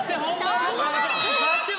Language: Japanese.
そこまで！